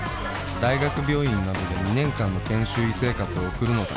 大学病院などで二年間の研修医生活を送るのだ